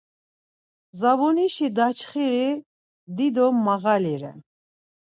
Dzabunişi daçxiri dido mağali ren.